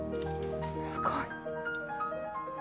すごい。